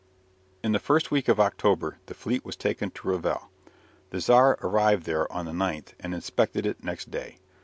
In the first week of October the fleet was taken to Revel. The Tsar arrived there on the 9th and inspected it next day.